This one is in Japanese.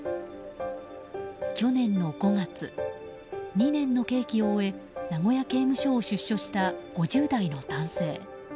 去年の５月、２年の刑期を終え名古屋刑務所を出所した５０代の男性。